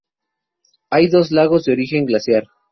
Hay dos lagos de origen glaciar.